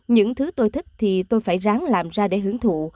những thứ tôi thích thì tôi phải ráng làm ra để hướng thụ